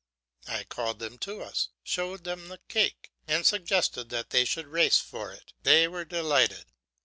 I called them to us, showed them the cake, and suggested that they should race for it. They were delighted.